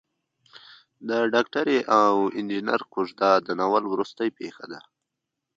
د ډاکټرې او انجنیر کوژده د ناول وروستۍ پېښه ده.